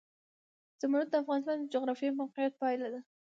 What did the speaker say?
زمرد د افغانستان د جغرافیایي موقیعت پایله ده.